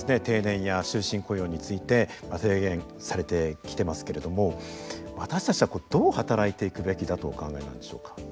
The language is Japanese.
定年や終身雇用について提言されてきてますけれども私たちはどう働いていくべきだとお考えなんでしょうか。